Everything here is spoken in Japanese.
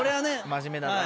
真面目だな。